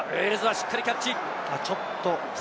しっかりとキャッチ。